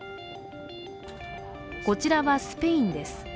こちらはスペインです。